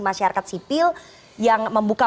masyarakat sipil yang membuka